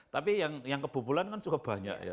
tapi yang kebupulan kan sudah banyak ya